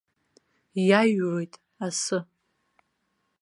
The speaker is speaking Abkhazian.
Иаҩуеит асы.